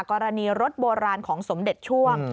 กรณีรถโบราณของสมเด็จช่วง